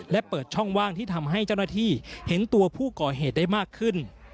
และเปิดช่องว่างที่ทำให้เจ้าหน้าที่เห็นตัวผู้ก่อเหตุได้มากขึ้น